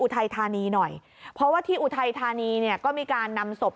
ธานีหน่อยเพราะว่าที่อุทัยธานีเนี่ยก็มีการนำศพ